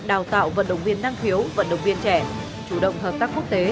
đào tạo vận động viên năng khiếu vận động viên trẻ chủ động hợp tác quốc tế